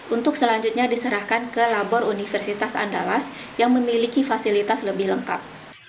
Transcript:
untuk selanjutnya diserahkan ke labor universitas andalas yang memiliki fasilitas lebih lengkap